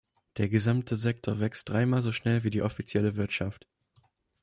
Der gesamte Sektor wächst dreimal so schnell wie die offizielle Wirtschaft.